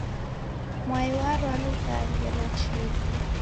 Mwai warwa lukange lwa chilu.